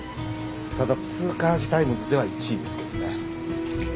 ただツーカージ・タイムズでは１位ですけどね。